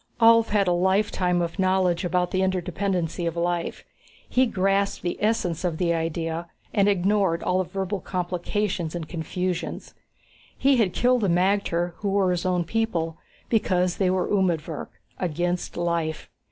Ulv had a lifetime of knowledge about the interdependency of life. He grasped the essence of the idea and ignored all the verbal complications and confusions. He had killed the magter, who were his own people, because they were umedvirk against life.